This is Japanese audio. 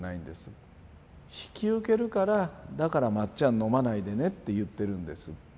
引き受けるからだからまっちゃん飲まないでねって言ってるんです。